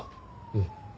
うん。